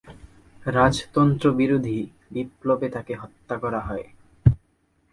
রাজতন্ত্রবিরোধী বিপ্লবে তাকে হত্যা করা হয়।